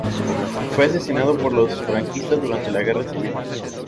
Fue asesinado por los franquistas durante la Guerra Civil.